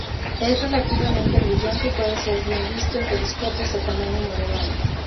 Es relativamente brillante y puede ser bien visto en telescopios de tamaño moderado.